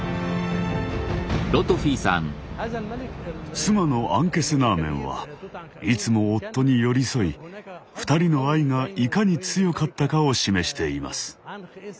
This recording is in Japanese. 妻のアンケセナーメンはいつも夫に寄り添い２人の愛がいかに強かったかを示しています。